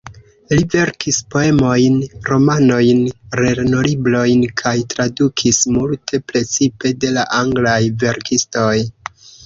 Li verkis poemojn, romanojn, lernolibrojn kaj tradukis multe, precipe de la anglaj verkistoj.